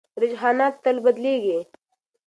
رجحانات تل بدلېږي.